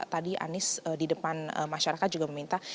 tadi anies di depan masyarakat juga meminta